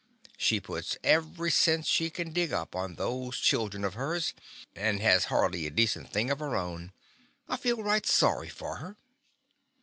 She puts every cent she can dig up on those children of hers, and has hardly a de cent thing of her own. I feel right sorry for her.''